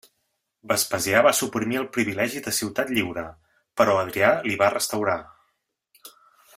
Vespasià va suprimir el privilegi de ciutat lliure, però Adrià li va restaurar.